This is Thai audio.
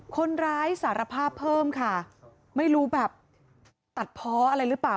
คนร้ายสารภาพเพิ่มค่ะไม่รู้แบบตัดเพาะอะไรหรือเปล่า